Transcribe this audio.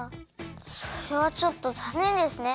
それはちょっとざんねんですね。